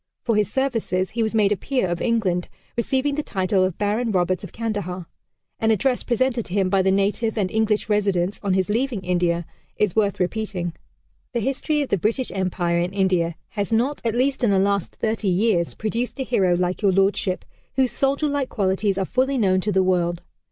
For his services, he was made a peer of England, receiving the title of Baron Roberts of Kandahar. An address presented to him by the native and English residents, on his leaving India, is worth repeating. "The history of the British Empire in India has not, at least in the last thirty years, produced a hero like Your Lordship, whose soldier like qualities are fully known to the world.